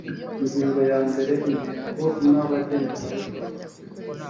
ingingo ya mbere intego n abagenerwabikorwa